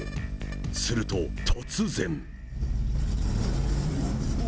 すると、突然。